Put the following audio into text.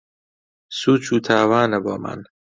سووچ و تاوانە بۆمان